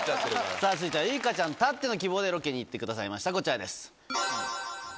さぁ続いてはウイカちゃんたっての希望でロケに行ってくださいましたこちらです。